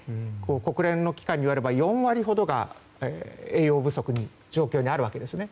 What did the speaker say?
国連の機関によれば４割ほどが栄養不足の状況にあるわけですね。